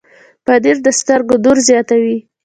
پنېر د سترګو نور زیاتوي.